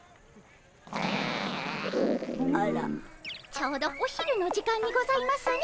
ちょうどお昼の時間にございますね。